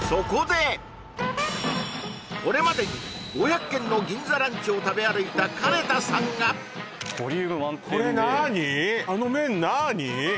これまでに５００軒の銀座ランチを食べ歩いた金田さんがこれ何？